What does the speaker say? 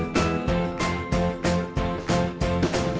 มีความสุขในที่เราอยู่ในช่องนี้ก็คือความสุขในที่เราอยู่ในช่องนี้